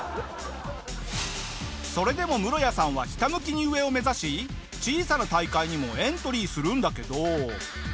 それでもムロヤさんはひた向きに上を目指し小さな大会にもエントリーするんだけど。